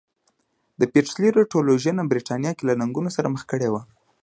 د پیټرلو ټولوژنه برېټانیا یې له ننګونو سره مخ کړې وه.